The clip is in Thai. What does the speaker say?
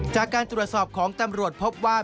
จากการตรวจสอบของตำรวจพบว่า